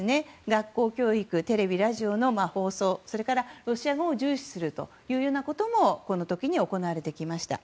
学校教育、テレビ、ラジオの放送それからロシア語を重視するということもこの時に行われてきました。